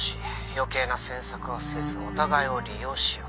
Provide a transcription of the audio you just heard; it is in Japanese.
「余計な詮索はせずお互いを利用しよう」